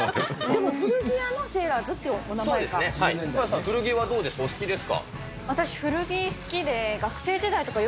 でも古着屋のセーラーズってお名前か。